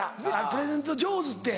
プレゼント上手って。